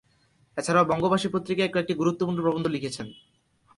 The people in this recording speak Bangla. এছাড়াও 'বঙ্গবাসী' পত্রিকায় কয়েকটি গুরুত্বপূর্ণ প্রবন্ধ লিখেছিলেন।